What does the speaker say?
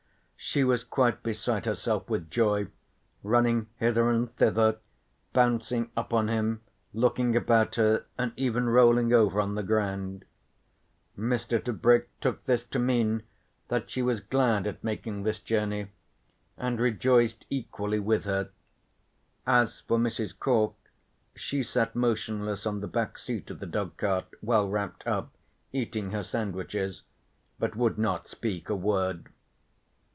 She was quite beside herself with joy, running hither and thither, bouncing up on him, looking about her and even rolling over on the ground. Mr. Tebrick took this to mean that she was glad at making this journey and rejoiced equally with her. As for Mrs. Cork, she sat motionless on the back seat of the dogcart well wrapped up, eating her sandwiches, but would not speak a word.